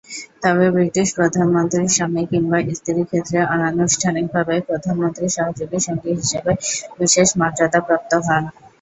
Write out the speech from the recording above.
তবে, ব্রিটিশ প্রধানমন্ত্রীর স্বামী কিংবা স্ত্রীর ক্ষেত্রে অনানুষ্ঠানিকভাবে প্রধানমন্ত্রীর সহযোগী সঙ্গী হিসেবে বিশেষ মর্যাদাপ্রাপ্ত হন।